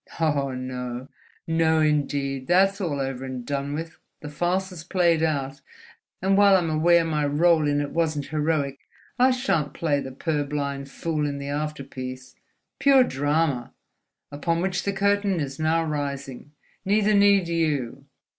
"Oh, no! No, indeed: that's all over and done with, the farce is played out; and while I'm aware my rôle in it wasn't heroic, I shan't play the purblind fool in the afterpiece—pure drama—upon which the curtain is now rising. Neither need you.